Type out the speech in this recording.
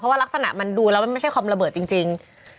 ว่ารักษณะมันดูแล้วมันไม่ใช่คอมระเบิดจริง